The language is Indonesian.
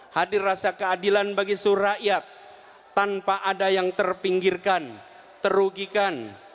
hadir rasa keadilan bagi surayat tanpa ada yang terpinggirkan terugikan